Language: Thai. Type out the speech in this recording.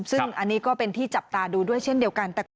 ซึ่งอันนี้ก็เป็นที่จับตาดูด้วยเช่นเดียวกัน